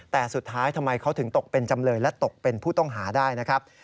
แต่สุดท้ายทำไมเขาถึงตกเป็นจำเลยและตกเป็นผู้ต้องหาได้นะครับ